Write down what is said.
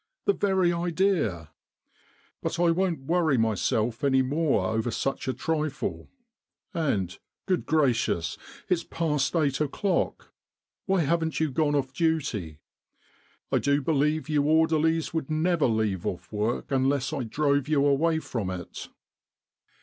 The very idea ! But I won't worry myself any more over such a trifle. And good gracious ! it's past eight o'clock! Why haven't you gone off duty? I do believe you orderlies would never leave off work unless I drove you away from it